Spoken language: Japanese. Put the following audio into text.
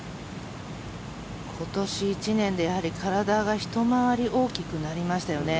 今年１年で体がひと回り大きくなりましたよね。